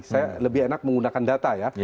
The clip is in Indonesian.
saya lebih enak menggunakan data ya